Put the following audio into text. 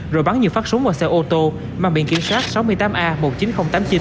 rồi bắn nhiều phát súng vào xe ô tô mang biển kiểm soát sáu mươi tám a một mươi chín nghìn tám mươi chín